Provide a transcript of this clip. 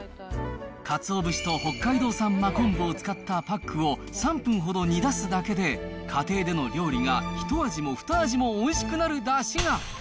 かつお節と北海道産真昆布を使ったパックを、３分ほど煮出すだけで、家庭での料理がひと味もふた味もおいしくなるだしが。